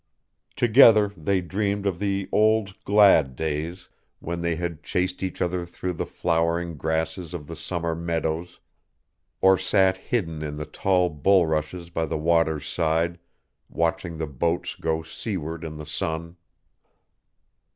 Together they dreamed of the old glad days when they had chased each other through the flowering grasses of the summer meadows, or sat hidden in the tall bulrushes by the water's side, watching the boats go seaward in the sun.